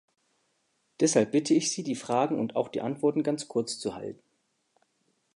Deshalb bitte ich Sie, die Fragen und auch die Antworten ganz kurz zu halten.